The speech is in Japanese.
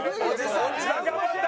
頑張った！